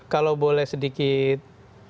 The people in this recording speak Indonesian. kalau boleh sedikit